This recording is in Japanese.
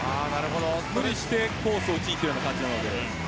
無理してコースを打ちにいっている感じです。